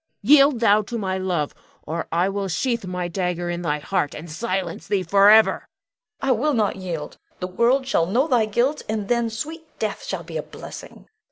Yield thou to my love, or I will sheathe my dagger in thy heart, and silence thee forever! Bianca. I will not yield. The world shall know thy guilt, and then sweet death shall be a blessing.